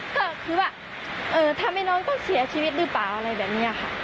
ก็คือว่าทำให้น้องต้องเสียชีวิตหรือเปล่าอะไรแบบนี้ค่ะ